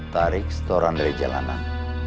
tarik setoran dari jalanan